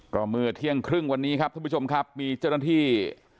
ก็เมื่อเที่ยงครึ่งวันนี้ครับท่านผู้ชมครับมีเจ้าหน้าที่